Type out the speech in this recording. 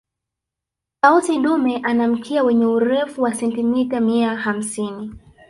tausi dume ana mkia wenye urefu wa sentimita mia hamsini